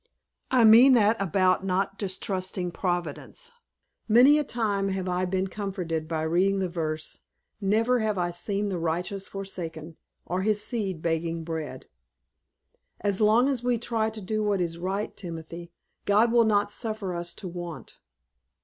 "I mean that about not distrusting Providence. Many a time have I been comforted by reading the verse, 'Never have I seen the righteous forsaken, or his seed begging bread.' As long as we try to do what is right, Timothy, God will not suffer us to want."